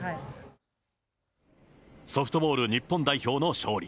ソフトボール日本代表の勝利。